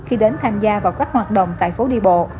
khi đến tham gia vào các hoạt động tại phố đi bộ